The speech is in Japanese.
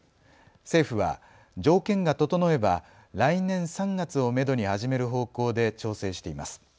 政府は条件が整えば来年３月をめどに始める方向で調整しています。